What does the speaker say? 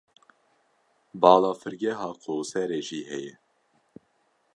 Balafirgeha Qoserê jî heye.